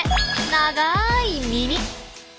長い耳！